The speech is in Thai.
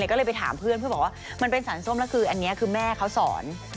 ก็เลยไปถามเพื่อนเพื่อบอกว่ามันเป็นสารส้มแล้วคืออันนี้คือแม่เขาสอน